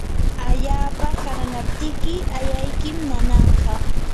allapa ahanaptiki ayaykim nananqa.